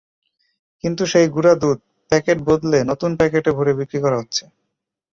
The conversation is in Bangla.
কিন্তু সেই গুঁড়া দুধ প্যাকেট বদলে নতুন প্যাকেটে ভরে বিক্রি করা হচ্ছে।